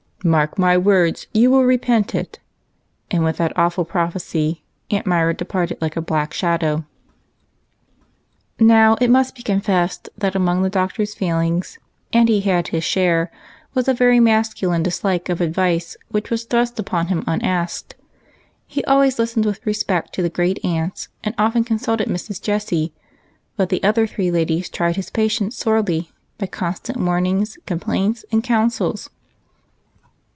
"Mark my words, you will repent it," and, with that awful prophecy, Aunt Myra departed like a black shadow. Now it must be confessed that among the Doctor's failings — and he had his share — was a very masculine dislike of advice which was thrust upon him unasked. He always listened with respect to the great aunts, and often consulted Mrs. Jessie ; but the other three ladies tried his patience sorely, by constant warnings, com plaints, and counsels.